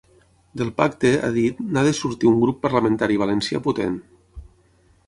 Del pacte, ha dit, n’ha de sortir un grup parlamentari valencià potent.